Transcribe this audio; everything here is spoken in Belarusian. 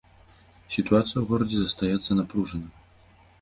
Сітуацыя ў горадзе застаецца напружанай.